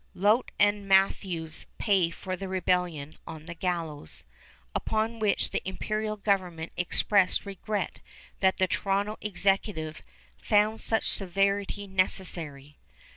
Lount and Matthews pay for the rebellion on the gallows, upon which the imperial government expressed regret that the Toronto Executive "found such severity necessary."